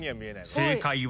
［正解は］